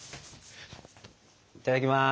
いただきます！